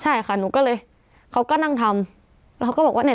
ใช่ค่ะหนูก็เลยเขาก็นั่งทำแล้วเขาก็บอกว่าเนี่ย